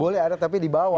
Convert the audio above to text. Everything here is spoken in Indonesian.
boleh ada tapi dibawah